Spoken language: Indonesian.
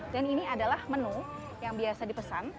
dan ini adalah menu yang biasa dipesan